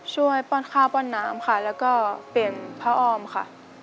ป้อนข้าวป้อนน้ำค่ะแล้วก็เปลี่ยนพระออมค่ะ